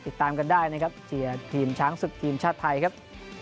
ติดตามกันได้เจียทีมช้างศึกทีมชาติไทยครับ